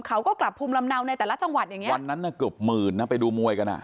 เขาก็กลับภูมิลำเนาในแต่ละจังหวัดวันนั้นเกือบหมื่นไปดูมวยกัน